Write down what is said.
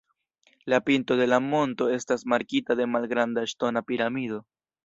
La pinto de la monto estas markita de malgranda ŝtona piramido.